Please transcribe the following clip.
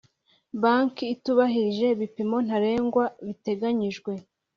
Banki itubahirije ibipimo ntarengwa biteganyijwe